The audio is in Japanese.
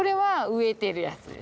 植えてるやつ。